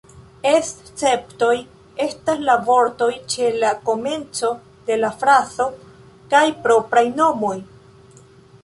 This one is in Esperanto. Esceptoj estas la vortoj ĉe la komenco de la frazo kaj propraj nomoj.